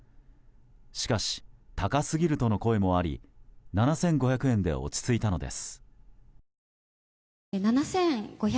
しかし、高すぎるとの声もあり７５００円で落ち着いたのです。